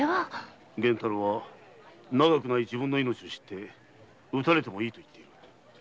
源太郎は長くない自分の命を知り討たれてもいいと言っている。